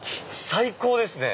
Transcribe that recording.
最高ですね！